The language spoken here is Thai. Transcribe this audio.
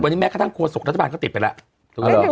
วันนี้แม้ค่อนข้างโครสกรัฐบาลก็ติดไปแล้ว